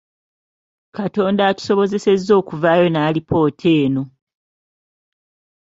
Katonda atusobozesezza okuvaayo n’alipoota eno.